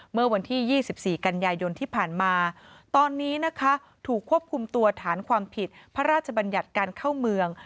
เมื่อวันที่๒๔กันยายนที่ผ่านมาตอนนี้นะคะถูกควบคุมตัวฐานความผิดพระราชบัญญัติการเข้าเมือง